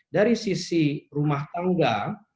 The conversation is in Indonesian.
dari sisi rumah tangga